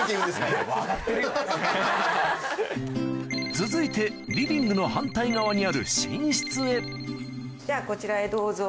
続いてリビングの反対側にある寝室へじゃあこちらへどうぞ。